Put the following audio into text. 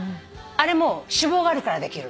あれも脂肪があるからできる。